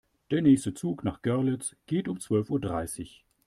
Der nächste Zug nach Görlitz geht um zwölf Uhr dreißig